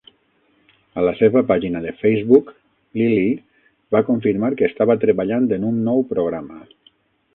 A la seva pàgina de Facebook, Lilley va confirmar que estava treballant en un nou programa.